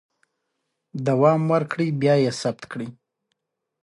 د مالیکول تعریف به راته وکړئ.